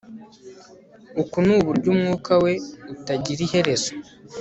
uku nuburyo umwuka we utagira iherezo